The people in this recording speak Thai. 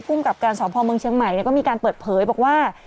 กับการสอบภอมเมืองเชียงใหม่ก็มีการเปิดเผยบอกว่า